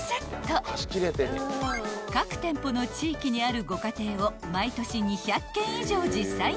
［各店舗の地域にあるご家庭を毎年２００軒以上実際に訪問］